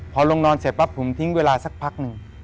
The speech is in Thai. พอลงนอนเสร็จปั๊บผมทิ้งเวลาสักพักหนึ่ง